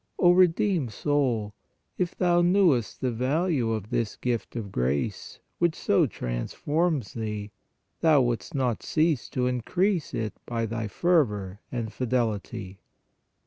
O redeemed soul, if thou knewest the value of this gift of grace, which so transforms thee, thou wouldst not cease to increase it by thy fervor and fidelity."